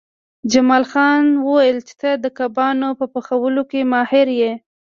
جمال خان وویل چې ته د کبابونو په پخولو کې ماهر یې